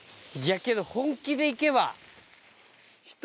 いやけど本気で行けば。